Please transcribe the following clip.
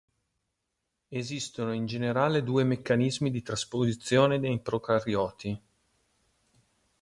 Esistono in generale due meccanismi di trasposizione nei procarioti.